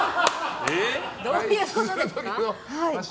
どういうことですか？